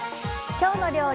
「きょうの料理」。